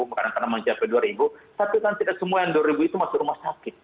karena mencapai dua ribu tapi kan tidak semua yang dua ribu itu masuk rumah sakit